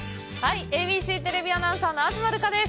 ＡＢＣテレビアナウンサーの東留伽です。